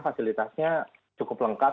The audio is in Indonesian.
fasilitasnya cukup lengkap